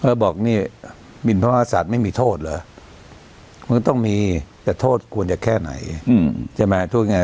ก็บอกนี่หมินประมาศัฐไม่มีโทษเหรอมันก็ต้องมีแต่โทษควรจะแค่ไหน